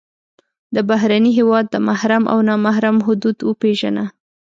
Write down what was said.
د بهرني هېواد د محرم او نا محرم حدود وپېژنه.